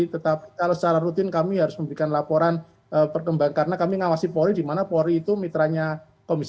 tetapi kalau secara rutin kami harus memberikan laporan perkembangan karena kami mengawasi polri di mana polri itu mitranya komisi satu